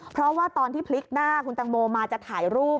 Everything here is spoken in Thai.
เพราะว่าตอนที่พลิกหน้าคุณตังโมมาจะถ่ายรูป